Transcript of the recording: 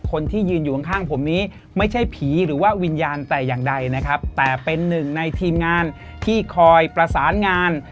คนที่ยืนอยู่ข้างข้างผมนี้ไม่ใช่ผีหรือว่าวิญญาณแต่อย่างใดนะครับแต่เป็นหนึ่งในทีมงานที่คอยประสานงาน